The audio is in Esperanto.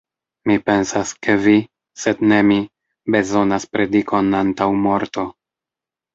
Mi pensas, ke vi, sed ne mi, bezonas predikon antaŭ morto.